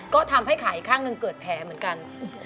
ก็ทำให้ขากางนึงเกิดแย่เหมือนกัน